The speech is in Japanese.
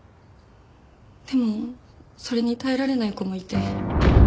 でもそれに耐えられない子もいて。